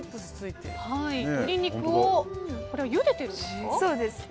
鶏肉をゆでてるんですか？